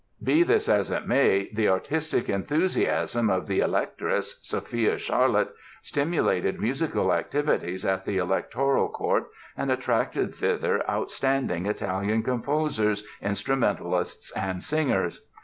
Be this as it may, the artistic enthusiasm of the Electress, Sophia Charlotte, stimulated musical activities at the electoral court and attracted thither outstanding Italian composers, instrumentalists and singers.